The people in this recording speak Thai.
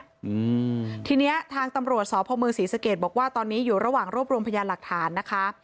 อืมทีเนี้ยทางตำรวจสพมศรีสะเกดบอกว่าตอนนี้อยู่ระหว่างรวบรวมพยานหลักฐานนะคะ